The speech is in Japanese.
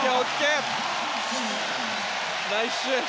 ナイスシュート！